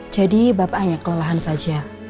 jadi bapak hanya kelola saja